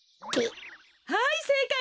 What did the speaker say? はいせいかいです。